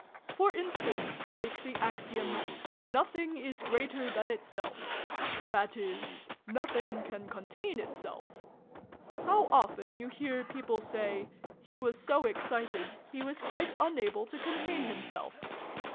For instance, take the Axiom 'No thing is greater than itself ; that is, ' Nothing can contain itself' How often you hear people say ' He was so excited, he was quite unable to contain himself.'